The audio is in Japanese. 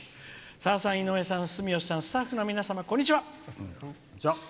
「さださん、井上さん、住吉さんスタッフの皆様、こんにちは。